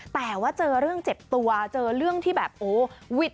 แต่ว่าเจอเรื่องเจ็บตัวเจอเรื่องที่แบบโอ้วิด